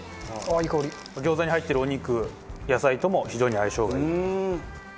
餃子に入ってるお肉野菜とも非常に相性がいい。